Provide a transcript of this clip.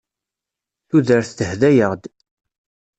Tudert tehda-aɣ-d.